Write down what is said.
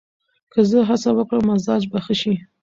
که زه هڅه وکړم، مزاج به ښه شي.